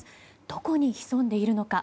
どこに潜んでいるのか。